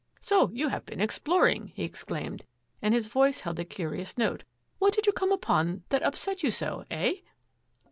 " So you have been exploring !'' he exclaimed, and his voice held a curious note. " What did you come upon that up set you so, eh?